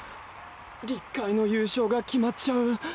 立海の優勝が決まっちゃう。